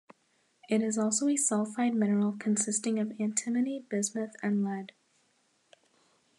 It is also a sulfide mineral consisting of antimony, bismuth, and lead.